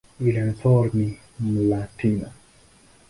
Villaseñor ni "Mlatina".